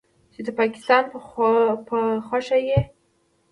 چې د پکستان په خوښه یې